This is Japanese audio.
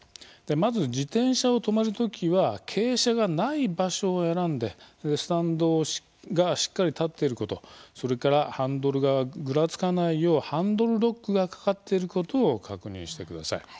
まず自転車を止める時は傾斜がない場所を選んでスタンドがしっかり立っていることそれからハンドルがぐらつかないようハンドルロックがかかっていることを確認してください。